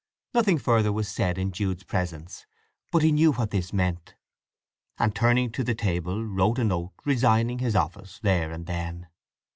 Nothing further was said in Jude's presence, but he knew what this meant; and turning to the table wrote a note resigning his office there and then.